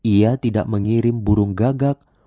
ia tidak mengirim burung gagak